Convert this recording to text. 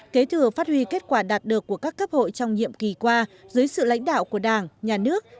kế thừa phát huy kết quả đạt được của các cấp hội trong nhiệm kỳ qua dưới sự lãnh đạo của đảng nhà nước